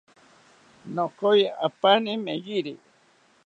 Nokoyi apani meyiri